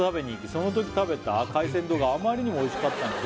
「そのとき食べた海鮮丼があまりにもおいしかったので」